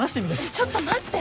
ちょっと待って。